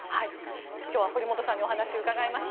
今日は堀本さんにお話を伺いました。